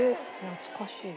懐かしい。